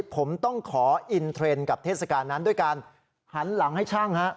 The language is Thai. ผมต้องขออินเทรนด์กับเทศกาลนั้นด้วยการหันหลังให้ช่าง